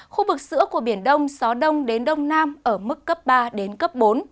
khu vực giữa của biển đông gió đông đến đông nam ở mức cấp ba đến cấp bốn